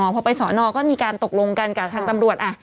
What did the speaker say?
พอไปสอนอก็มีการตกลงกันกับทางตำรวจ